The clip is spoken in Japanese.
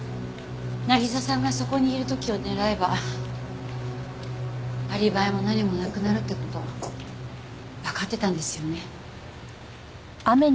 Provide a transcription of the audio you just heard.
渚さんがそこにいる時を狙えばアリバイも何もなくなるって事わかってたんですよね？